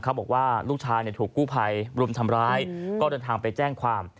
บอกว่าลูกชายถูกกู้ภัยรุมทำร้ายก็เดินทางไปแจ้งความ